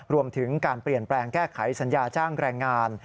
รวมถึงการเปลี่ยนแปลงแก้ไขสัญญาจ้างแรงงาน